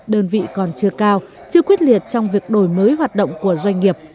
đơn vị còn chưa cao chưa quyết liệt trong việc đổi mới hoạt động của doanh nghiệp